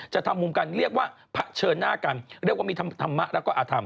จะทำมุมการเรียกว่าผะเชิญหน้ากันเรียกว่ามีธรรมและอธรรม